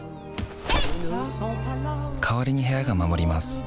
代わりに部屋が守ります